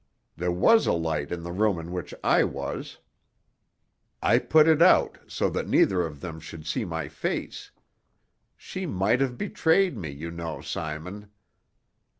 There was a light in the room in which I was. I put it out, so that neither of them should see my face. She might have betrayed me, you know, Simon.